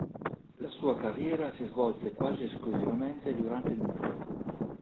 La sua carriera si svolse quasi esclusivamente durante il muto.